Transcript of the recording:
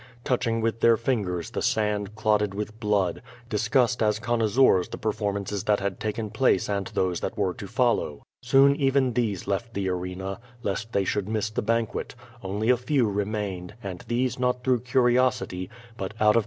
Touching with their fingers the sand clotted with blooJ, discussed as connoisseurs the performances that had taken place and those that were to follow. Soon even these left the arena, lest they should miss the banquet; only a few remained^ and these not through curiosity^ but out of com 436 Q^O VADI8.